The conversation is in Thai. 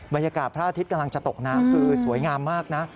พระอาทิตย์กำลังจะตกน้ำคือสวยงามมากนะ